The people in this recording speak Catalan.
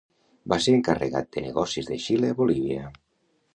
Va ser encarregat de negocis de Xile a Bolívia.